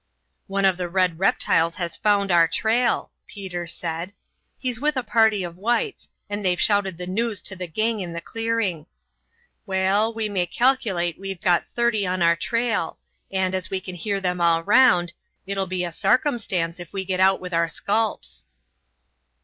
"One of the red reptiles has found our trail," Peter said. "He's with a party of whites, and they've shouted the news to the gang in the clearing. Waal, we may, calculate we've got thirty on our trail, and, as we can hear them all round, it'll be a sarcumstance if we git out with our sculps."